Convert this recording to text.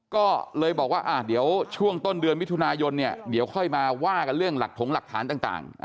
ก็เลยบอกว่าอ่าเดี๋ยวช่วงต้นเดือนวิทุนายนค่อยมาว่ากันเรื่องหลักฐงหลักฐานต่าง